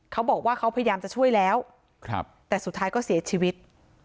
เขาบอกว่าเขาพยายามจะช่วยแล้วแต่สุดท้ายก็เสียชีวิต